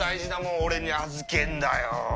俺に預けんだよ